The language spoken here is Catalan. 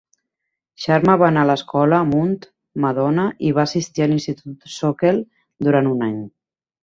Sharma va anar a l'escola Mount Madonna i va assistir a l'institut Soquel durant un any.